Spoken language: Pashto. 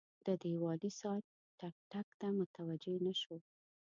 د دیوالي ساعت ټک، ټک ته متوجه نه شو.